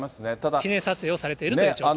記念撮影をされているという状況。